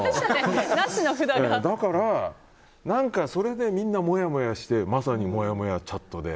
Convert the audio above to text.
だから、それでみんなもやもやしてまさに、もやもやチャットで。